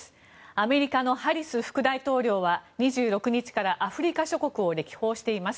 アメリカのハリス副大統領は２６日からアフリカ諸国を歴訪しています。